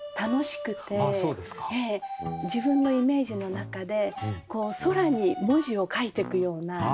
自分のイメージの中で空に文字を書いてくような。